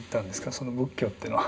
その仏教っていうのは。